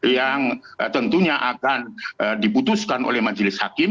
yang tentunya akan diputuskan oleh majelis hakim